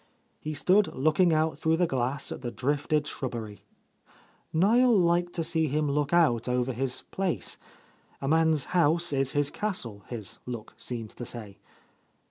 He stood looking out through the glass at the drifted shrub bery. Niel liked to see him look out over his place. A man's house is his castle, his look seemed to say.